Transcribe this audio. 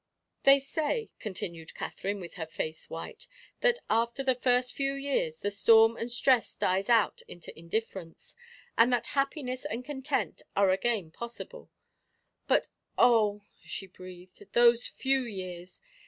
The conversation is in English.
"They say," continued Katherine, with her face white, "that after the first few years the storm and stress dies out into indifference, and that happiness and content are again possible. But oh," she breathed, "those few years!